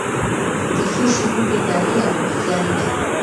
د څو شېبو بیداري او هوښیاري ده